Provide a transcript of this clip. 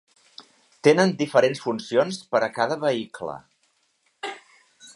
Tenen diferents funcions per a cada vehicle.